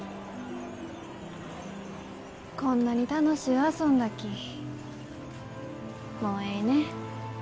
こんなに楽しゅう遊んだきもうえいね。